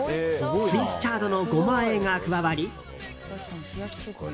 スイスチャードのゴマあえが加わり。